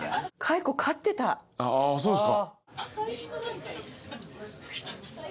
そうですか。